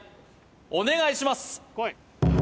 お願いします